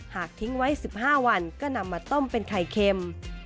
ทิ้งไว้๑๕วันก็นำมาต้มเป็นไข่เค็ม